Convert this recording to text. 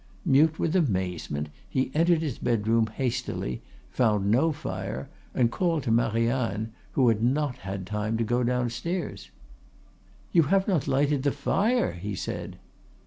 Mute with amazement, he entered his bedroom hastily, found no fire, and called to Marianne, who had not had time to get downstairs. "You have not lighted the fire!" he said.